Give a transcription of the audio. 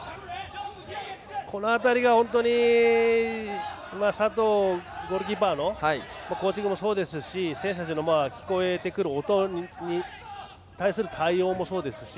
この辺りが本当に佐藤ゴールキーパーのコーチングもそうですし選手たちの聞こえてくる音に対する対応もそうですし。